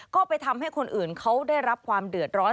ก็ไปทำให้คนอื่นเขาได้รับความเดือดร้อน